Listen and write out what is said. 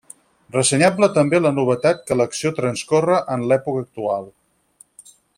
Ressenyable també la novetat que l'acció transcorre en l'època actual.